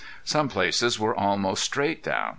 Some places were almost straight down.